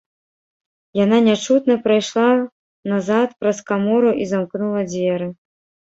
Яна нячутна прайшла назад праз камору і замкнула дзверы.